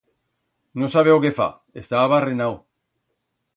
No sabe o que fa, está avarrenau!